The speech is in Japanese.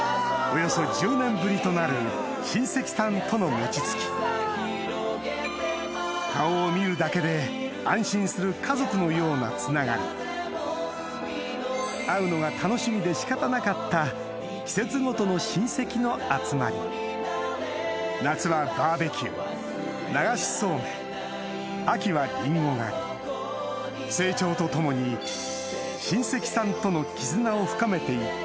親戚さんとの顔を見るだけで安心する会うのが楽しみで仕方なかった季節ごとの親戚の集まり夏はバーベキュー流しそうめん秋はリンゴ狩り成長とともに親戚さんとの絆を深めていった